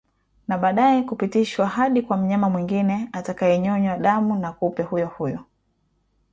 na baadaye kupitishwa hadi kwa mnyama mwingine atakaenyonywa damu na kupe huyo huyo